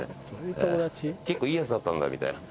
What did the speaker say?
「結構いいヤツだったんだ」みたいな。